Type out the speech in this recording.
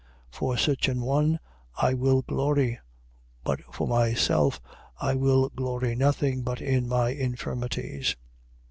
12:5. For such an one I will glory: but for myself I will glory nothing but in my infirmities.